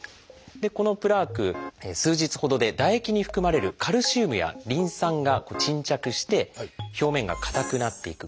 このプラーク数日ほどで唾液に含まれるカルシウムやリン酸が沈着して表面が硬くなっていく。